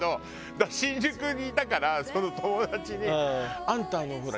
だから新宿にいたからその友達に「あんたあのほら」。